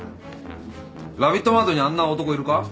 ラビットマートにあんな男いるか？